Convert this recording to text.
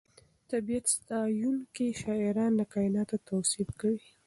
طبیعت ستایونکي شاعران د کائناتو توصیف کوي.